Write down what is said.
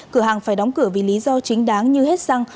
cửa hàng phải đóng cửa vì lý do chính đáng như hết xăng